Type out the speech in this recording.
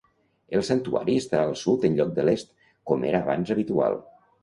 El santuari està al sud en lloc de l'est, com era abans habitual.